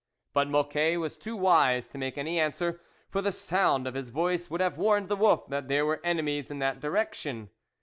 But Mocquet was too wise to make any answer, for the sound of his voice would have warned the wolf that there were enemies in that direction.